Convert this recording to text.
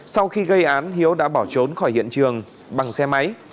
sau khi gây án hiếu đã bỏ trốn khỏi hiện trường bằng xe máy